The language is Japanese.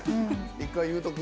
一回言うとく？